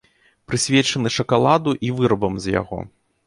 Прысвечаны шакаладу і вырабам з яго.